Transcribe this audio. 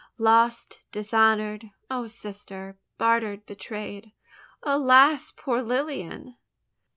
lost dishonoured! O sister! bartered betrayed! Alas! poor Lilian!"